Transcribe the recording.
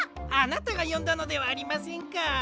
あなたがよんだのではありませんか！